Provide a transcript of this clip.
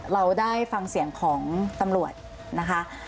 เราได้ฟังเสียงของตำรวจนะคะ